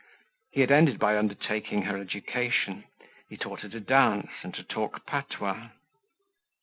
He had ended by undertaking her education: he taught her to dance and to talk patois.